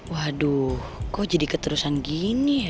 waduh kok jadi keterusan gini ya